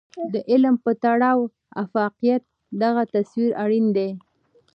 د علم په تړاو د افاقيت دغه تصور اړين دی.